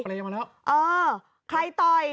เออใครต่อย